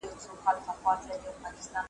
پر دنيا چي خداى كرلي دي قومونه .